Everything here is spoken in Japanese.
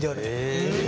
え！？